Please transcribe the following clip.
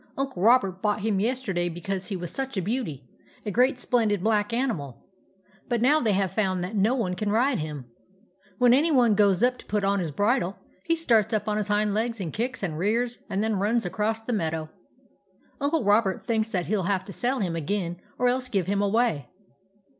Uncle Robert bought him yesterday because he was such a beauty — a great splendid black animal ; but now they have found that no one can ride him. When any one goes up to put on his bridle, he starts up on his hind legs and kicks and rears and then runs across the meadow. Uncle Robert thinks that he '11 have to sell him again or else give him away."